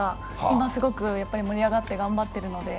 今すごく盛り上がって頑張っているので。